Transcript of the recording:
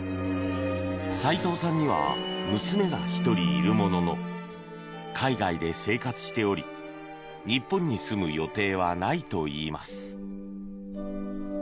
齋藤さんには娘が１人いるものの海外で生活しており日本に住む予定はないといいます。